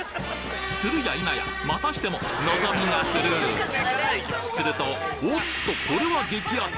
するやいなやまたしてものぞみがスルーするとおっとこれは激アツ！